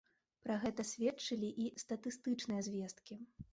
Пра гэта сведчылі і статыстычныя звесткі.